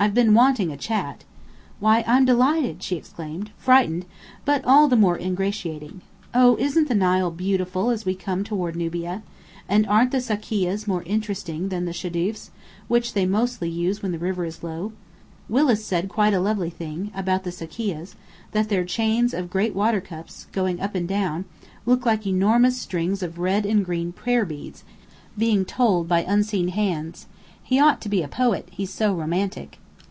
I've been wanting a chat " "Why, I'm delighted!" she exclaimed, frightened, but all the more ingratiating. "Oh, isn't the Nile beautiful as we come toward Nubia? And aren't the sakkiyehs more interesting than the shadoofs, which they use mostly when the river is low? Willis said quite a lovely thing, about the sakkiyehs: that their chains of great water cups, going up and down, look like enormous strings of red and green prayer beads, being 'told' by unseen hands. He ought to be a poet, he's so romantic."